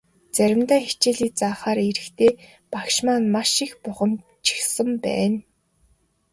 Заримдаа хичээлээ заахаар ирэхдээ багш маань маш их бухимдчихсан байна.